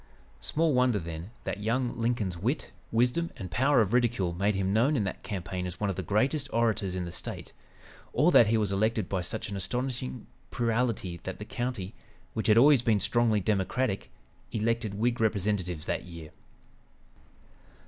Small wonder, then, that young Lincoln's wit, wisdom and power of ridicule made him known in that campaign as one of the greatest orators in the State, or that he was elected by such an astonishing plurality that the county, which had always been strongly Democratic, elected Whig representatives that year.